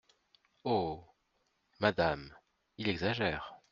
Oh ! madame, il exagère !